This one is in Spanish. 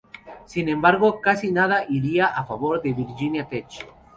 Sin embargo, casi nada iría a favor de Virginia Tech.